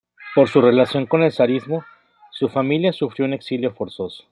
Por su relación con el zarismo, su familia sufrió un exilio forzoso.